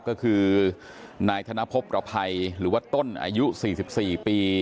ก็คือนายธนพบประภัยหรือว่าต้นอายุ๔๔ปี